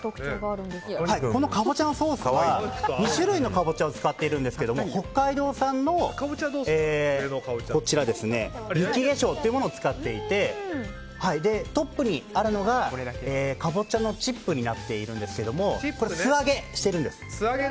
このカボチャのソースは２種類のカボチャを使ってるんですが北海道産の雪化粧というものを使っていてトップにあるのが、カボチャのチップになっているんですけども素揚げしているんです。